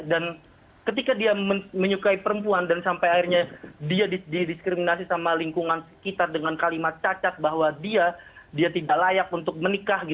dan ketika dia menyukai perempuan dan sampai akhirnya dia didiskriminasi sama lingkungan sekitar dengan kalimat cacat bahwa dia tidak layak untuk menikah